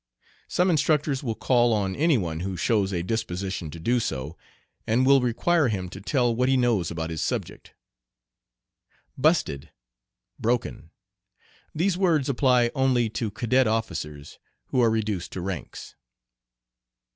Some instructors will call on any one who shows a disposition to do so, and will require him to tell what he knows about his subject. "Busted," "broken." These words apply only to cadet officers who are reduced to ranks.